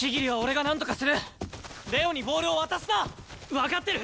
わかってる！